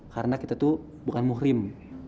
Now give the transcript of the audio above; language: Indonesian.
karena kita tuh bukan muhrim